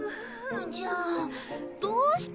じゃあどうして。